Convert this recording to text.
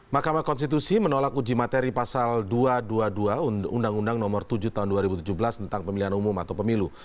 mahkamah konstitusi menolak uji materi pasal dua ratus dua puluh dua undang undang nomor tujuh tahun dua ribu tujuh belas tentang pemilihan umum atau pemilu